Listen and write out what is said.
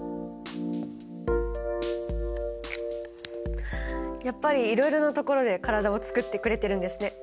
やっぱりいろいろなところで体をつくってくれてるんですね。